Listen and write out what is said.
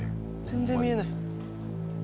全然見えない